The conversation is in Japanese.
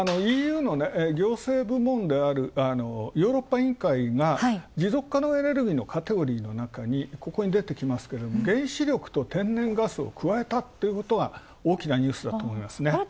ＥＵの行政部門であるヨーロッパ委員会が持続可能エネルギーのカテゴリーの中にここに出てきますけど原子力と天然ガスを加えたってことが大きなニュースだと思いますね。